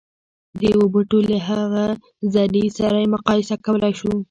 د يوه بوټي له هغه زړي سره يې مقايسه کولای شو.